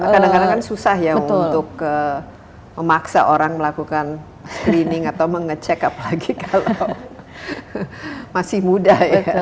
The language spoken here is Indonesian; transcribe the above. kadang kadang kan susah ya untuk memaksa orang melakukan screening atau mengecek apalagi kalau masih muda ya